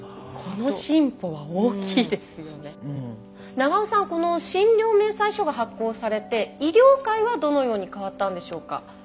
長尾さんこの診療明細書が発行されて医療界はどのように変わったんでしょうか？